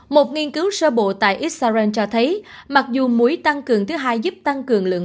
một nghiên cứu sơ bộ tại israel cho thấy mặc dù muối tăng cường thứ hai giúp tăng cường